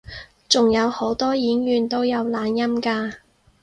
仲有好多演員都冇懶音㗎